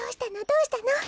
どうしたの？